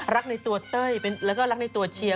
รักในตัวเต้ยแล้วก็รักในตัวเชียร์